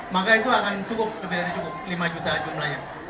maka itu akan cukup lebih dari cukup lima juta jumlahnya